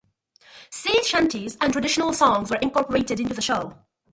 Sea shanties and traditional songs were incorporated into the show.